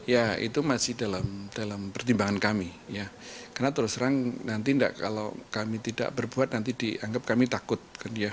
ya itu masih dalam pertimbangan kami ya karena terus terang nanti enggak kalau kami tidak berbuat nanti dianggap kami takut